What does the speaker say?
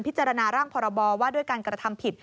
พิจารณาร่างพรบว่าด้วยการกระทำผิด